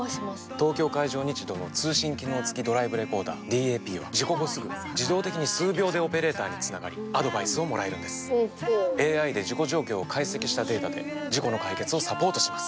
東京海上日動の通信機能付きドライブレコーダーＤＡＰは事故後すぐ自動的に数秒でオペレーターにつながりアドバイスをもらえるんですＡＩで事故状況を解析したデータで事故の解決をサポートします